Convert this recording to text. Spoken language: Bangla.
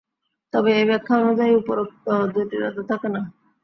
তবে এ ব্যাখ্যা অনুযায়ী উপরোক্ত জটিলতা থাকে না।